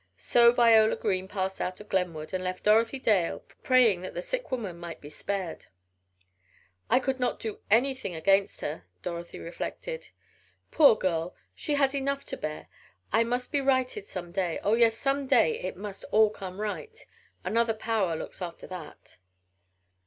So Viola Green passed out of Glenwood, and left Dorothy Dale praying that the sick woman might be spared. "I could not do anything against her," Dorothy reflected. "Poor girl, she has enough to bear! It must be righted some day oh, yes, some day it must all come right. Another Power looks after that."